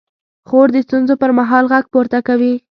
خور د ستونزو پر مهال غږ پورته کوي.